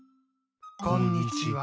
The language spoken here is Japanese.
こんにちは。